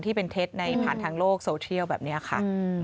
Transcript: ที่เป็นเท็จในผ่านทางโลกโซเทียลแบบนี้ค่ะ